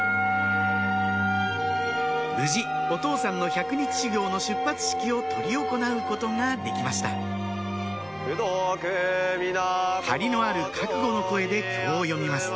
無事お父さんの百日修行の出発式を執り行うことができました張りのある覚悟の声で経を読みます